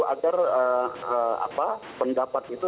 agar pendapat itu